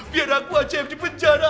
biar aku aja yang di penjara